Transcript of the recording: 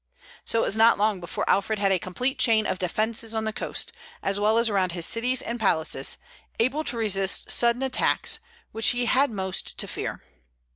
So it was not long before Alfred had a complete chain of defences on the coast, as well as around his cities and palaces, able to resist sudden attacks, which he had most to fear.